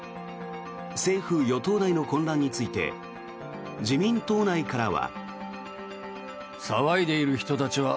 政府・与党内の混乱について自民党内からは。